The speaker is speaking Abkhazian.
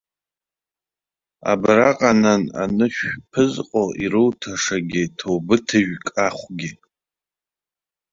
Абраҟа, нан, анышә ԥызҟо ируҭашагьы, ҭоубыҭыжәк ахәгьы.